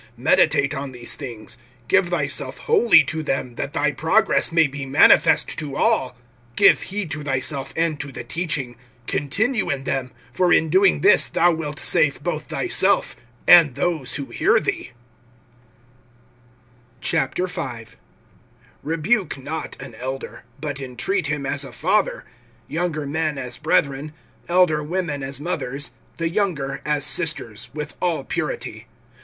(15)Meditate on these things[4:15]; give thyself wholly to them; that thy progress may be manifest to all. (16)Give heed to thyself, and to the teaching; continue in them; for in doing this thou wilt save both thyself, and those who hear thee. V. REBUKE not an elder, but entreat him as a father; younger men as brethren; (2)elder women as mothers, the younger as sisters, with all purity.